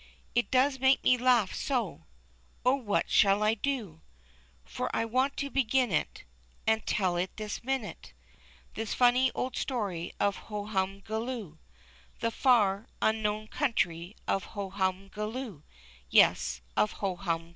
It does make me laugh so ! oh, what shall I do ? For I want to begin it And tell it this minute. This funny old story of Hohumgoloo, The far, unknown country of Hohumgoloo, Yes, of Hohumgoloo.